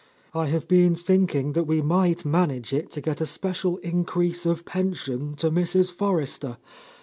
I have been thinking that we might manage it to get a special increase of pension for Mrs. Forrester.